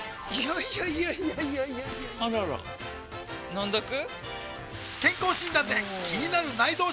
いやいやいやいやあらら飲んどく？